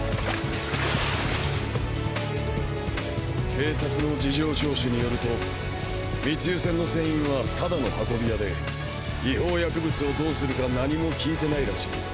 警察の事情聴取によると密輸船の船員はただの運び屋で違法薬物をどうするか何も聞いてないらしい。